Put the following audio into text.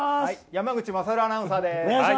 山口勝アナウンサーです。